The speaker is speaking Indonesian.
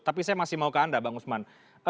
tapi saya masih mau ke anda pak nusman